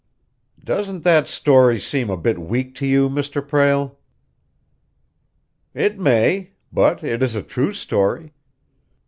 "Doesn't that story seem a bit weak to you, Mr. Prale?" "It may, but it is a true story.